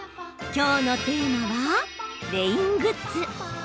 きょうのテーマはレイングッズ。